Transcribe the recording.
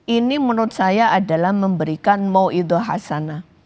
ini menurut saya adalah memberikan mo idahasana